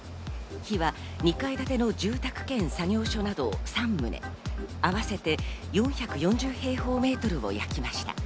火は２階建ての住宅兼作業所など３棟、合わせて４４０平方メートルを焼きました。